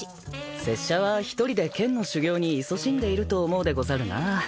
拙者は一人で剣の修行にいそしんでいると思うでござるな。